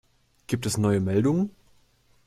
Gibt es neue Meldungen?